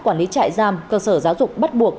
quản lý trại giam cơ sở giáo dục bắt buộc